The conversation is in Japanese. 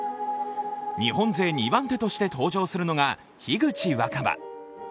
日本勢２番手として登場するのが樋口新葉。